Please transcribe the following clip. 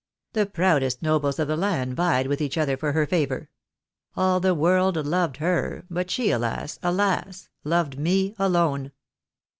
The proudest nobles of the land vied with each other for her favour. All the world loved her, but she, alas ! alas ! loved me alone